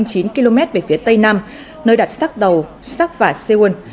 hơn ba trăm linh chín km về phía tây nam nơi đặt sắc đầu sắc và seoul